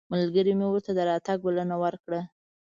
ملګري مې ورته د راتګ بلنه ورکړه.